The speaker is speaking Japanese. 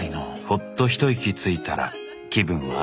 ホッと一息ついたら気分は？